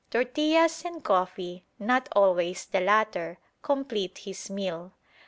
Tortillas and coffee, not always the latter, complete his meal.